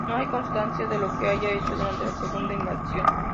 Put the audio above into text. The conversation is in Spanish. No hay constancia de lo que haya hecho durante la segunda invasión.